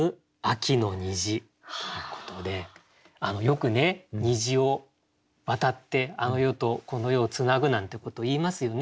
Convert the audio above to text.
よくね「虹を渡ってあの世とこの世をつなぐ」なんてこと言いますよね。